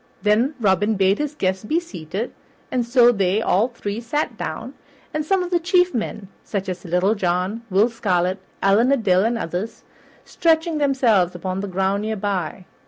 Then Robin bade his guests be seated, and so they all three sat down, some of the chief men, such as Little John, Will Scarlet, Allan a Dale, and others, stretching themselves upon the ground near by.